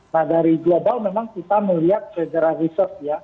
nah dari global memang kita melihat federal reserve ya